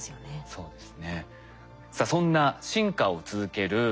そうです。